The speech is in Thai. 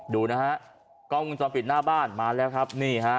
ดูนะฮะกล้องวงจรปิดหน้าบ้านมาแล้วครับนี่ฮะ